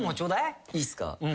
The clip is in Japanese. いいっすか？